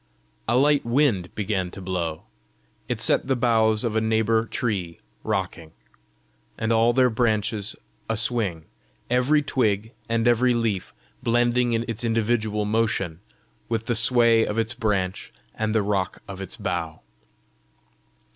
A light wind began to blow; it set the boughs of a neighbour tree rocking, and all their branches aswing, every twig and every leaf blending its individual motion with the sway of its branch and the rock of its bough.